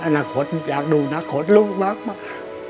อนาคตอยากดูอนาคตลูกมาก